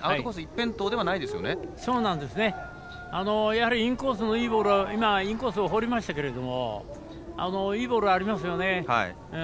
一辺倒ではやはり、インコースのいいボールは今、インコースに放りましたけれどいいボール、ありますよね。